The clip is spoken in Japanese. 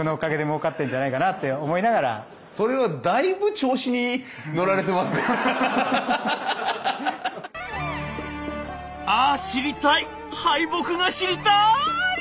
当時「あ知りたい敗北が知りたい！」。